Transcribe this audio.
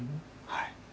はい。